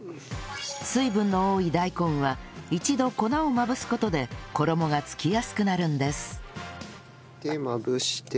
水分の多い大根は一度粉をまぶす事で衣がつきやすくなるんですでまぶして。